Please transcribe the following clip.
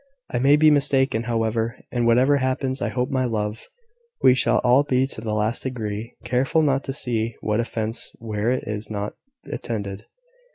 I may be mistaken, however; and whatever happens, I hope, my love, we shall all be to the last degree careful not to see offence where it is not intended."